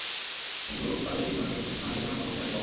কিন্তু, তাদের সিম্বাকে প্রশিক্ষণ না দিলে আমি অবশ্যই হারব, বাবা।